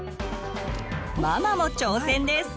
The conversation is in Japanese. ママも挑戦です。